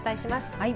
はい。